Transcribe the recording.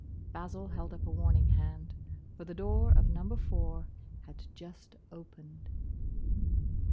Basil held up a warning hand, for the door of Number Four had just opened.